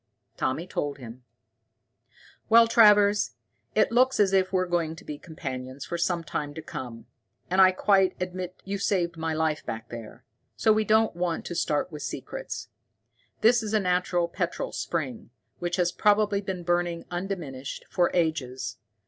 Tommy told him. "Well, Travers, it looks as if we're going to be companions for some time to come, and I quite admit you saved my life back there. So we don't want to start with secrets. This is a natural petrol spring, which has probably been burning undiminished for ages.